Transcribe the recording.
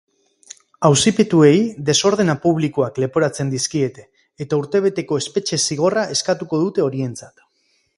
Auzipetuei desordena publikoak leporatzen dizkiete, eta urtebeteko espetxe-zigorra eskatuko dute horientzat.